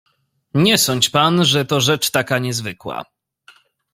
"Nie sądź pan, że to rzecz taka niezwykła."